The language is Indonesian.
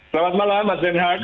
selamat malam pak zainal